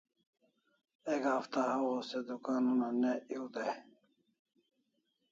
Ek hafta hawaw se dukan una ne ew dai